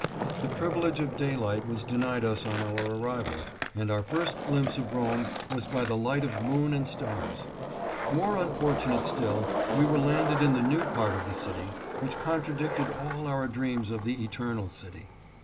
The privilege of daylight was denied us on our arrival, and our first glimpse of Rome was by the light of moon and stars. More unfortunate still, we were landed in the new part of the city, which contradicted all our dreams of the Eternal City.